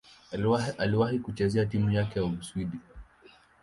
Aliwahi kucheza timu ya taifa ya Uswidi.